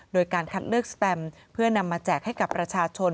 โดยการคัดเลือกสแตมเพื่อนำมาแจกให้กับประชาชน